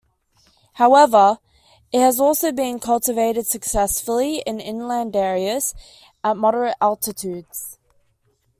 However, it has also been cultivated successfully in inland areas at moderate altitudes.